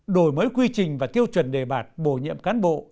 đổi mới quy trình và tiêu chuẩn đề bạt bổ nhiệm cán bộ